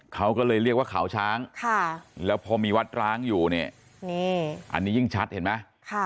เขาก็เลยเรียกว่าเขาช้างแล้วพอมีวัดร้างอยู่เนี่ยนี่อันนี้ยิ่งชัดเห็นไหม